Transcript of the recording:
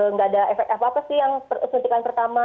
nggak ada efek apa apa sih yang suntikan pertama